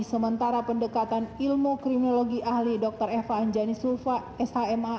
sementara pendekatan ilmu kriminologi ahli dr eva anjani sulfa s h m h